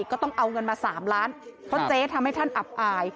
ก็ต้องเอาเงินมา๓ล้านเพราะเจ๊ทำให้ท่านอับอาย